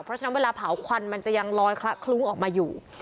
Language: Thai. เพราะฉะนั้นเวลาเผาควันมันจะยังลอยคละคลุ้งออกมาอยู่